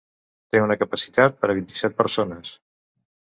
Té una capacitat per a vint-i-set persones.